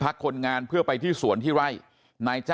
พวกมันกลับมาเมื่อเวลาที่สุดพวกมันกลับมาเมื่อเวลาที่สุด